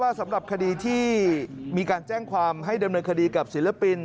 สำหรับคดีที่มีการแจ้งความให้ดำเนินคดีกับศิลปิน